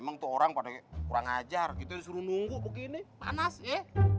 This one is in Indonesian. emang tuh orang pada kurang ajar gitu disuruh nunggu begini panas ya